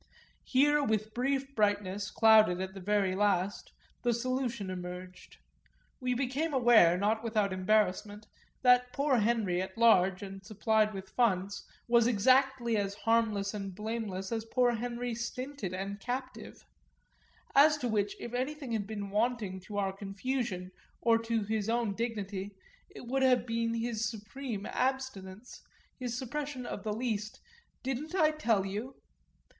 Here with brief brightness, clouded at the very last, the solution emerged; we became aware, not without embarrassment, that poor Henry at large and supplied with funds was exactly as harmless and blameless as poor Henry stinted and captive; as to which if anything had been wanting to our confusion or to his own dignity it would have been his supreme abstinence, his suppression of the least "Didn't I tell you?"